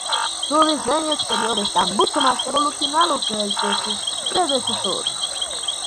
Su diseño exterior está mucho más evolucionado que el de su predecesor.